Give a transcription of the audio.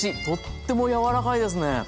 とっても柔らかいですね。